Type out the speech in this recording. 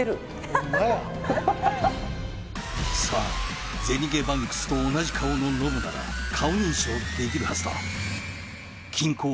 ホンマやさあゼニゲバンクスと同じ顔のノブなら顔認証できるはずだあ